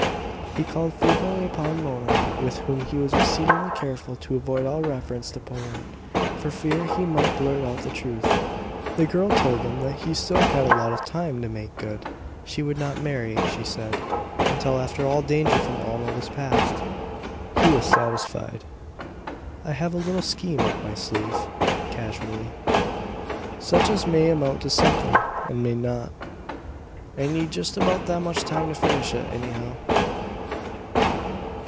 He called frequently upon Mona, with whom he was exceedingly careful to avoid all reference to Powart, for fear he might blurt out the truth. The girl told him that he still had a lot of time to make good; she would not marry, she said, until after all danger from Alma was past. He was satisfied. "I have a little scheme up my sleeve," casually, "such as may amount to something, and may not. I need just about that much time to finish it, anyhow."